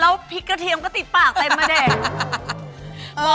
แล้วพริกกระเทียมก็ติดปากเต็มมาเนี่ย